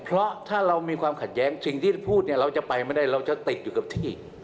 เพราะถ้าเรามีความขัดแย้งสิ่งที่พูดเนี่ยเราจะไปไม่ได้เราจะติดอยู่กับที่